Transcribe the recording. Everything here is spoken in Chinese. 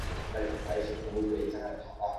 即清版过关型动作游戏。